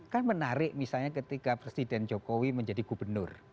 kan menarik misalnya ketika presiden jokowi menjadi gubernur